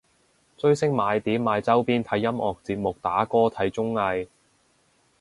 追星買碟買周邊睇音樂節目打歌睇綜藝